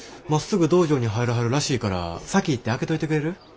まっすぐ道場に入らはるらしいから先行って開けといてくれる？